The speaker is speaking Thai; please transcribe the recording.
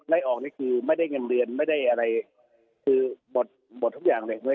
ไล่ออกนี่คือไม่ได้เงินเดือนไม่ได้อะไรคือหมดหมดทุกอย่างเลย